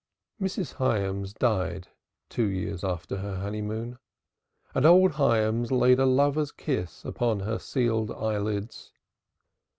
Mrs. Hyams died two years after her honeymoon, and old Hyams laid a lover's kiss upon her sealed eyelids.